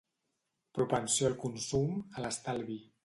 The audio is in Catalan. Propensió al consum, a l'estalvi.